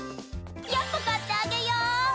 やっぱ買ってあげよう！